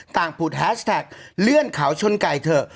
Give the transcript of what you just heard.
ผุดแฮชแท็กเลื่อนเขาชนไก่เถอะ